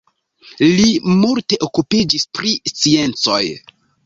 Li multe okupiĝis pri sciencoj.